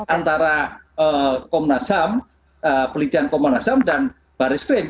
antara komnas ham pelitian komnas ham dan baris krim